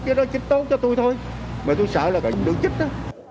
cái đó chích tốt cho tôi thôi mà tôi sợ là coi như tôi chích đó